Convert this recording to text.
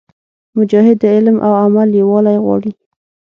مجاهد د علم او عمل یووالی غواړي.